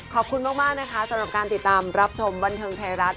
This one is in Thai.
ขอบคุณมากนะคะสำหรับการติดตามรับชมบันเทิงไทยรัฐ